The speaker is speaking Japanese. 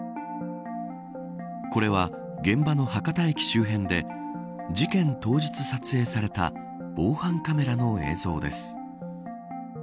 これは、現場の博多駅周辺で事件当日、撮影された防犯カメラの映像です。